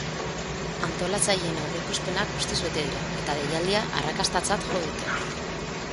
Antolatzaileen aurreikuspenak guztiz bete dira, eta deialdia arrakastatzat jo dute.